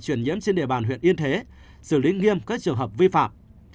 chuyển nhiễm trên địa bàn huyện yên thế xử lý nghiêm các trường hợp vi phạm